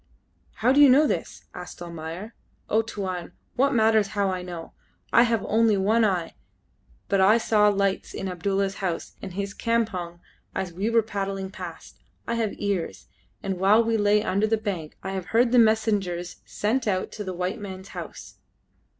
"How do you know this?" asked Almayer. "Oh, Tuan! what matters how I know! I have only one eye, but I saw lights in Abdulla's house and in his campong as we were paddling past. I have ears, and while we lay under the bank I have heard the messengers sent out to the white men's house."